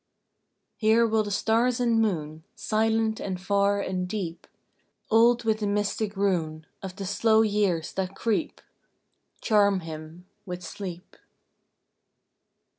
Here will the stars and moon, Silent and far and deep, Old with the mystic rune Of the slow years that creep, Charm him with sleep.